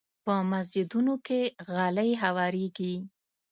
په مسجدونو کې غالۍ هوارېږي.